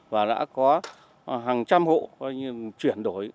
và đã có hàng trăm hộ coi như là chuyển đổi